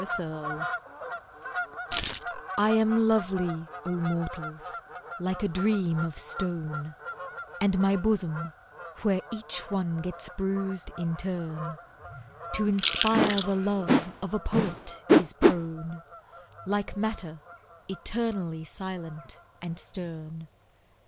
Beauty I am lovely, O mortals, like a dream of stone, And my bosom, where each one gets bruised in turn, To inspire the love of a poet is prone, Like matter eternally silent and stern.